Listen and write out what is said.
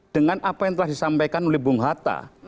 dengan apa yang telah disampaikan oleh bung hatta